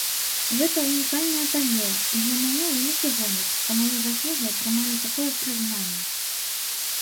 Гэта ўнікальная падзея, і для мяне вялікі гонар, што мае заслугі атрымалі такое прызнанне.